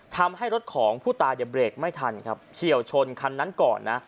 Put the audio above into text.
ทำให้รถของผู้ตายเนี่ยเบรกไม่ทันครับเฉียวชนคันนั้นก่อนนะ